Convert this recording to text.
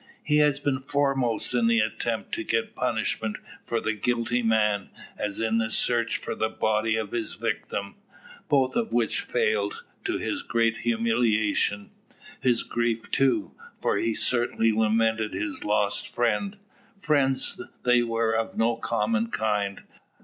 He has been foremost in the attempt to get punishment for the guilty man, as in the search for the body of his victim; both of which failed, to his great humiliation; his grief too, for he sincerely lamented his lost friend. Friends they were of no common kind.